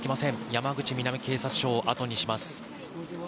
山口南警察署を後にします。